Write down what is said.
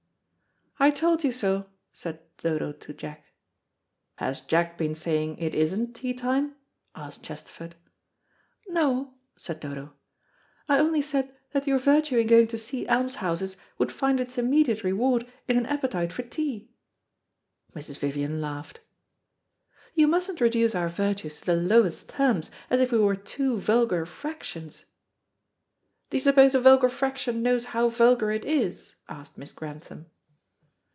"I told you so," said Dodo to Jack. "Has Jack been saying it isn't tea time?" asked Chesterford. "No," said Dodo. "I only said that your virtue in going to see almshouses would find its immediate reward in an appetite for tea." Mrs. Vivian laughed. "You mustn't reduce our virtues to the lowest terms, as if we were two vulgar fractions." "Do you suppose a vulgar fraction knows how vulgar it is?" asked Miss Grantham.